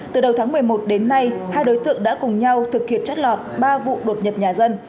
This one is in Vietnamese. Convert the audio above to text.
từ đầu tháng một mươi một đến nay hai đối tượng đã cùng nhau thực hiện chất lọt ba vụ đột nhập nhà dân